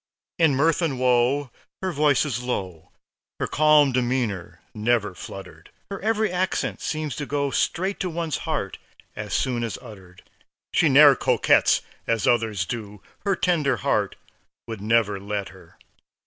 In mirth and woe her voice is low, Her calm demeanor never fluttered; Her every accent seems to go Straight to one's heart as soon as uttered. She ne'er coquets as others do; Her tender heart would never let her.